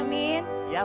bang dua keren ya